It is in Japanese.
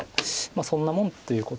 そんなもんということですか。